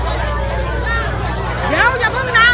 ก็ไม่มีเวลาให้กลับมาเท่าไหร่